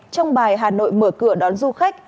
trong bài hà nội mở cửa đón du khách